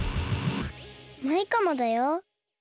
マイカもだよ。